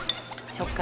食感？